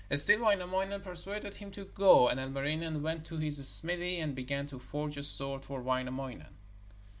Still Wainamoinen persuaded him to go, and Ilmarinen went to his smithy and began to forge a sword for Wainamoinen.